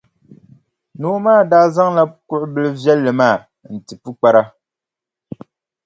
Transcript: Noo maa daa zaŋla kuɣʼ bilʼ viɛlli maa n-ti pukpara.